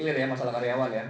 untuk masalah hotel ya